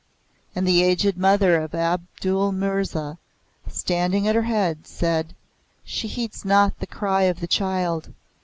And the aged mother of Abdul Mirza, standing at her head, said, "She heeds not the cry of the child.